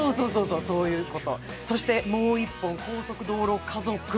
そしてもう１本、「高速道路家族」。